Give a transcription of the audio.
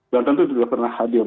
banten itu sudah pernah hadir